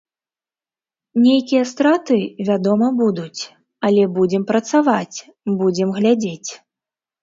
Нейкія страты, вядома, будуць, але будзем працаваць, будзем глядзець.